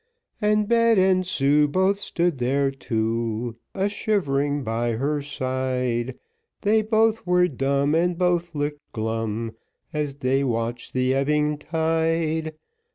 And Bet and Sue Both stood there too, A shivering by her side, They both were dumb, And both looked glum, As they watched the ebbing tide.